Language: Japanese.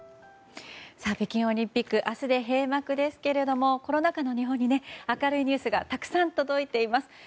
北京オリンピック明日で閉幕ですけどコロナ禍の日本に明るいニュースがたくさん届いています。